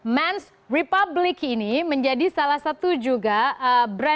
men's republic ini menjadi salah satu juga brand brand favorit ya anak anak sekarang